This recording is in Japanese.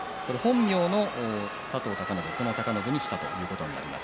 本名の佐藤貴信、その貴信にしたっていうことです。